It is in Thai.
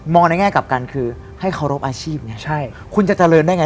มองได้ง่ายกับกันคือให้เค้ารวบอาชีพไงคุณจะเจริญได้ไง